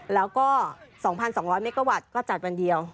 แล้วก็๒๒๐๐เมกาวัตต์ก็จัดวันเดียว